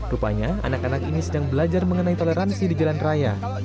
rupanya anak anak ini sedang belajar mengenai toleransi di jalan raya